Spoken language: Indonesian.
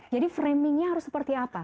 jadi framingnya harus seperti apa